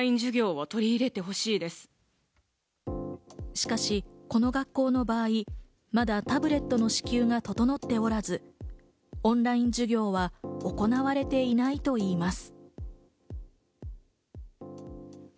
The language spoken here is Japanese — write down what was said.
しかし、この学校の場合まだタブレットの支給が整っておらず、オンライン授業は行われていないと言います。